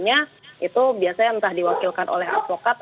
nah persidangannya itu biasanya entah diwakilkan oleh advokat